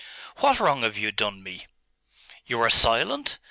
'What wrong have you done me?.... You are silent?